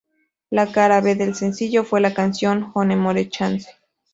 La cara B del sencillo fue la canción "One More Chance".